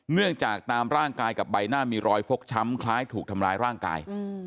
เนื่องจากตามร่างกายกับใบหน้ามีรอยฟกช้ำคล้ายถูกทำร้ายร่างกาย